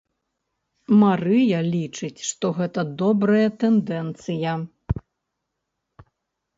Марыя лічыць, што гэта добрая тэндэнцыя.